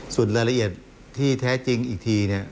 ส่วนละเอียดที่แท้จริงอีกที